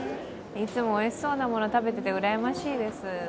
いつもうれしそうなもの食べててうらやましいです。